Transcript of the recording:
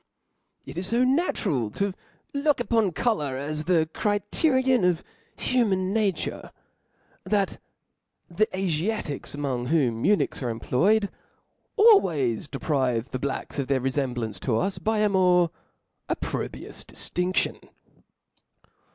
It is fo natural to look upon colour as the cri* terion of human nature, that the Afiatics, among whotp eunuchs are employed, always deprive the Blacks of their refemblancc to us, by a more op probrious diftindlion.